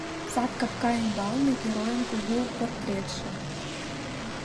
Сад капка ӱмбалне — геройын кугу портретше.